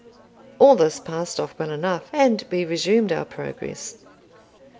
All this passed off well enough, and we resumed our progress.